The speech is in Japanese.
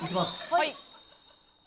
はい。